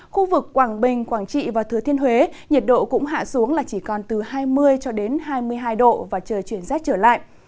khu vực quảng bình quảng trị và thứa thiên huế nhiệt độ cũng hạ xuống là chỉ còn từ hai mươi cho đến hai mươi hai độ và trời chuyển rét trở lại